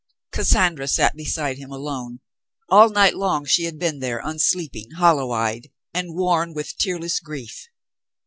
Cassandra sat beside him alone. All night long she had been there unsleeping, hollow eyed, and worn with tearless grief.